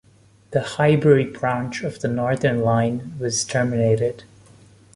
The Highbury Branch of the Northern line was terminated.